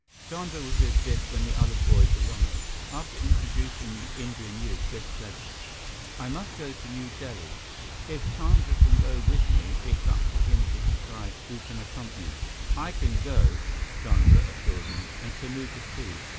Chandra was with Biff when the other boys arrived. After introducing the Indian youth, Biff said: "I must go to New Delhi. If Chandra can go with me, it is up to him to decide who can accompany us." "I can go," Chandra assured him, "and Kamuka, too.